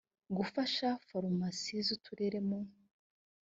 gufasha farumasi z uturere mu